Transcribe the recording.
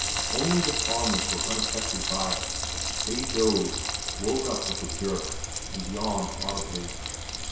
Only the farmers were unaffected by it; they dozed, woke up with a jerk, and yawned audibly.